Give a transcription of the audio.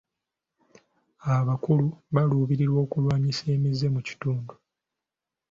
Abakulu baluubirira okulwanyisa emize mu kitundu.